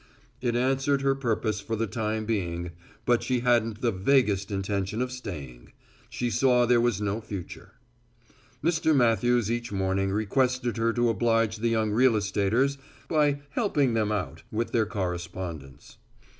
It answered her purpose for the time being, but she hadn't the vaguest intention of staying. She saw there was no future. Mr. Matthews each morning requested her to oblige the young real estaters by "helping them out" with their correspondence.